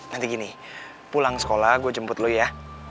nanti gini pulang sekolah gue jemput lo ya